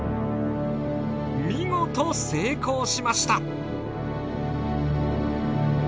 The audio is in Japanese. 見事成功しました。